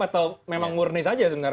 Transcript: atau memang murni saja sebenarnya